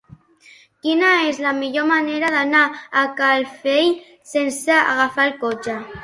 Quina és la millor manera d'anar a Calafell sense agafar el cotxe?